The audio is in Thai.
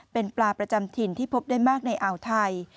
เป็นปลาประจำถิ่นที่พบได้มากในอ่าวไทย